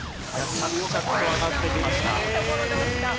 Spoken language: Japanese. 着々と上がってきました。